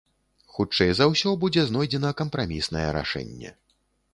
Хутчэй за ўсё, будзе знойдзена кампраміснае рашэнне.